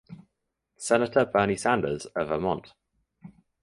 Senator Bernie Sanders of Vermont.